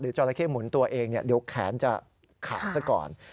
จราเข้หมุนตัวเองเดี๋ยวแขนจะขาดซะก่อน